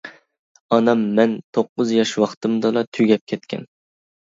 ئانام مەن توققۇز ياش ۋاقتىمدىلا تۈگەپ كەتكەن.